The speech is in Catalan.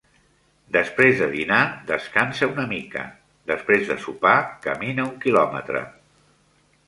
Després de dinar, descansa una mica; després de sopar camina un quilòmetre.